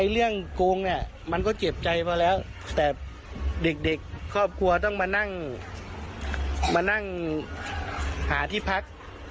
เรื่องโกงเนี่ยมันก็เจ็บใจพอแล้วแต่เด็กครอบครัวต้องมานั่งมานั่งหาที่พัก